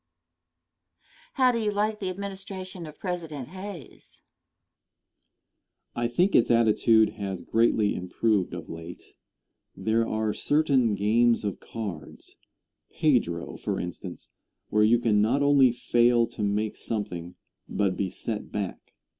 How do you like the administration of President Hayes? Answer. I think its attitude has greatly improved of late. There are certain games of cards pedro, for instance, where you can not only fail to make something, but be set back.